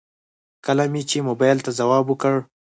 کله مې چې موبايل ته ځواب وکړ.